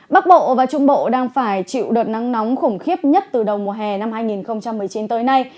bắc bộ và trung bộ đang phải chịu đợt nắng nóng khủng khiếp nhất từ đầu mùa hè năm hai nghìn một mươi chín tới nay